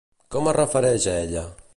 Com es refereix a ella?